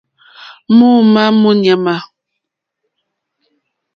Mǒómá mó ɲàmà.